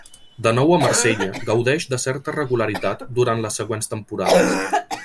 De nou a Marsella, gaudeix de certa regularitat durant les següents temporades.